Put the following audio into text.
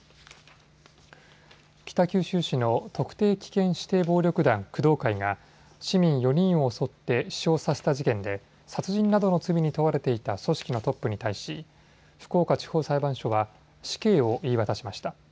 北九州市の特定危険指定暴力団工藤会が、市民４人を襲って死傷させた事件で、殺人などの罪に問われていた組織のトップに対し、福岡地方裁判所は死刑を言い渡しました。